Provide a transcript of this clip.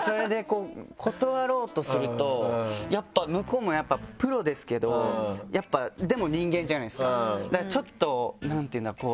それで断ろうとするとやっぱ向こうもプロですけどでも人間じゃないですかだからちょっと何ていうんだろう？